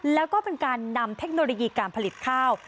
แล้วก็เป็นการนำเทคโนโลยีการผลิตข้าว